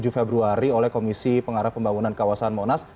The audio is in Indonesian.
tujuh februari oleh komisi pengarah pembangunan kawasan monas